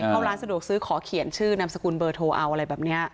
เข้าร้านสะดวกซื้อขอเขียนชื่อนามสกุลเบอร์โทรเอาอะไรแบบนี้